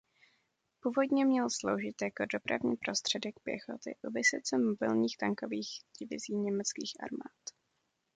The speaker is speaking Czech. Původně měl sloužit jako dopravní prostředek pěchoty u vysoce mobilních tankových divizí německých armád.